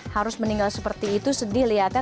harus meninggal seperti itu sedih lihatnya